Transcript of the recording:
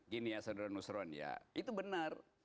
gini ya saudara nusron ya itu benar